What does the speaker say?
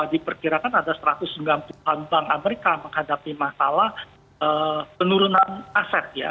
diperkirakan ada satu ratus sembilan puluh an bank amerika menghadapi masalah penurunan aset ya